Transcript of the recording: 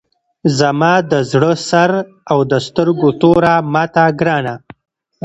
زما د زړه سر او د سترګو توره ماته ګرانه!